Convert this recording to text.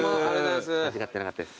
間違ってなかったです。